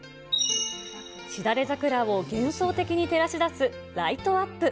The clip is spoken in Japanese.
しだれ桜を幻想的に照らし出すライトアップ。